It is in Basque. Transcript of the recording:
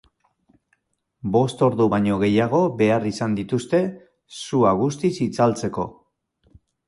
Bost ordu baino gehiago behar izan dituzte sua guztiz itzaltzeko.